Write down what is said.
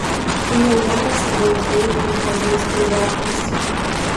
Уяўляе сабой глейкую празрыстую вадкасць.